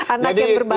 anak yang berbakat